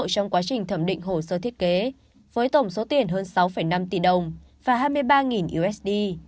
trong quá trình thẩm định hồ sơ thiết kế với tổng số tiền hơn sáu năm tỷ đồng và hai mươi ba usd